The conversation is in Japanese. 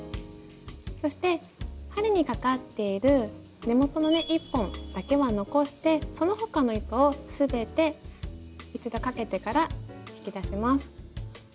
そして針にかかっている根元のね１本だけは残してその他の糸を全て一度かけてから引き出します。